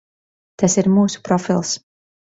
Tas ir mūsu profils.